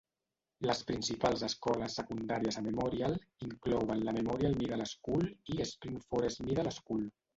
Les principals escoles secundàries a Memorial inclouen la Memorial Middle School i Spring Forest Middle School.